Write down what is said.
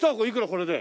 これで。